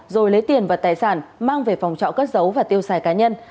rồi lấy tiền và tài sản mang về phòng trọng cất dấu và tiêu xài cá nhân